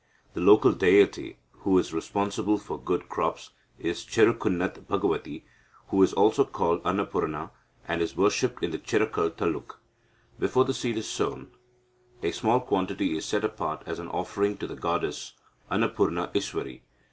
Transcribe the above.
The local deity who is responsible for good crops is Cherukunnath Bhagavathi, who is also called Annapurana, and is worshipped in the Chirakkal taluk. Before the seed is sown, a small quantity is set apart as an offering to the goddess Annapurna Iswari.